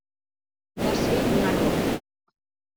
Va ser un error.